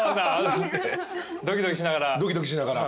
ドキドキしながら。